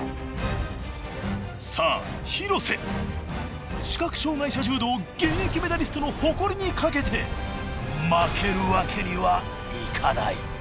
さあ廣瀬視覚障がい者柔道現役メダリストの誇りに懸けて負けるわけにはいかない。